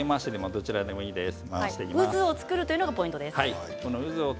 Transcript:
どちらでもいいですよ。